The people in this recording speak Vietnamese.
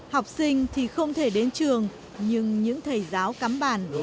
học sinh thì không thể đến trường nhưng những thầy giáo cắm bàn